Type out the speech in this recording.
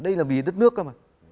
đây là vì đất nước cơ mà